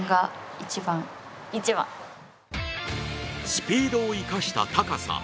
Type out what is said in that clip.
スピードを生かした高さ。